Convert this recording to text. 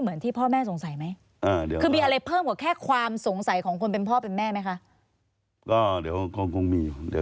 เหมือนที่พ่อแม่สงสัยไหม